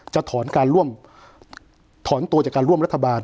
ถอนการร่วมถอนตัวจากการร่วมรัฐบาล